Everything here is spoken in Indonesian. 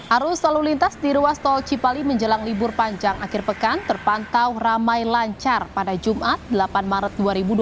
arus lalu lintas di ruas tol cipali menjelang libur panjang akhir pekan terpantau ramai lancar pada jumat delapan maret dua ribu dua puluh